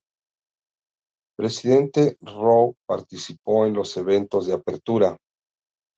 Presidente Roh participó en los eventos de apertura.